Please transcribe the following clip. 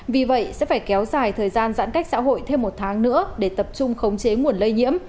vì vậy sẽ phải kéo dài thời gian giãn cách xã hội thêm một tháng nữa để tập trung khống chế nguồn lây nhiễm